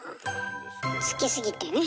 好きすぎてね。